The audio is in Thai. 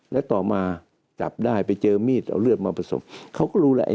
แล้วต่อมาจับได้ไปเจอมีดเอาเลือดมาผสมเขาก็รู้แล้วไอ